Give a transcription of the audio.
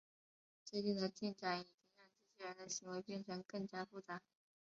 最近的进展已经让机器人的行为变成更加复杂。